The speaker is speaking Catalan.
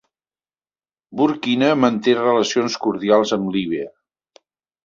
Burkina manté relacions cordials amb Líbia.